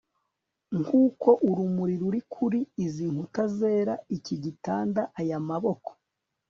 nkuko urumuri ruri kuri izi nkuta zera, iki gitanda, aya maboko